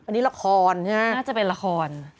อันนี้ละครใช่ไหมน่าจะเป็นละคร